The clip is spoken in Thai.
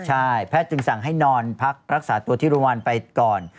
ใช่แพทย์จึงสั่งให้นอนพักรักษาตัวที่โรงพยาบาลไปก่อน